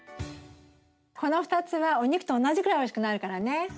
この２つはお肉と同じぐらいおいしくなるからね。